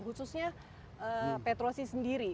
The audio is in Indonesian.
khususnya petro c sendiri